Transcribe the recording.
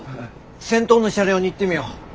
先頭の車両に行ってみよう。